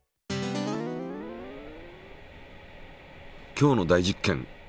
今日の大実験。